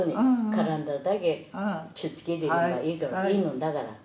体だけ気ぃつければいいのだから。